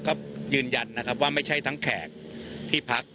ก็ยืนยันนะครับว่าไม่ใช่ทั้งแขกที่พัก